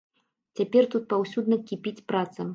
Цяпер тут паўсюдна кіпіць праца.